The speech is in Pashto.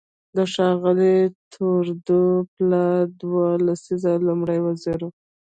د ښاغلي ترودو پلار دوه لسیزې لومړی وزیر و.